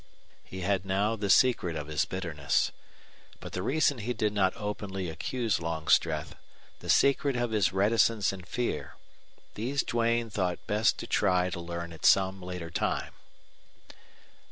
He had now the secret of his bitterness. But the reason he did not openly accuse Longstreth, the secret of his reticence and fear these Duane thought best to try to learn at some later time.